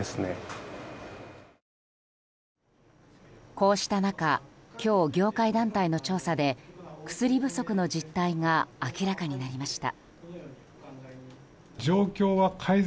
こうした中今日、業界団体の調査で薬不足の実態が明らかになりました。